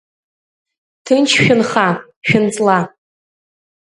Ҭынч шәынха, шәынҵла.